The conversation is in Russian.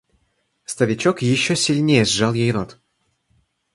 Старичок еще сильнее сжал ей рот.